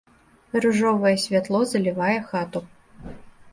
Ружовае святло залівае хату.